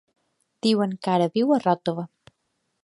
Diuen que ara viu a Ròtova.